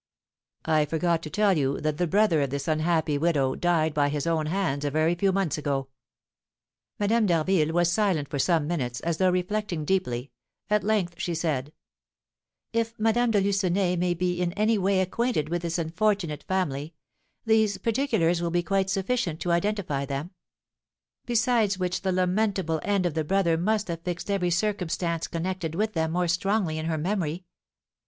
"I forgot to tell you that the brother of this unhappy widow died by his own hands a very few months ago." Madame d'Harville was silent for some minutes, as though reflecting deeply; at length she said: "If Madame de Lucenay be in any way acquainted with this unfortunate family, these particulars will be quite sufficient to identify them; besides which the lamentable end of the brother must have fixed every circumstance connected with them more strongly in her memory.